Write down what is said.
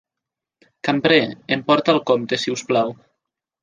Cambrer, em porta el compte, si us plau?